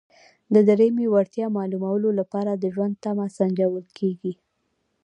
د دریمې وړتیا معلومولو لپاره د ژوند تمه سنجول کیږي.